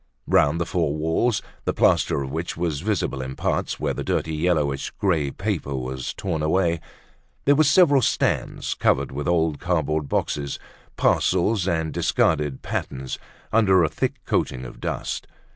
Round the four walls, the plaster of which was visible in parts where the dirty yellowish grey paper was torn away, there were several stands covered with old cardboard boxes, parcels and discarded patterns under a thick coating of dust.